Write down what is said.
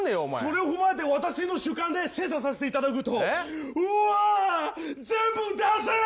それを踏まえて私の主観で精査させていただくとうわっ全部だせえ！